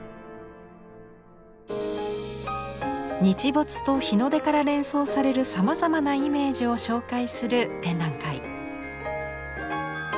日没と日の出から連想されるさまざまなイメージを紹介する展覧会。